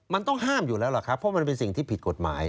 มันต้องห้ามอยู่แล้วล่ะครับเพราะมันเป็นสิ่งที่ผิดกฎหมาย